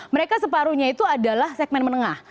mereka separuhnya itu adalah segmen menengah